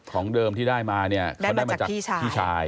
ของเดิมที่ได้มาเนี่ยเขาได้มาจากพี่ชาย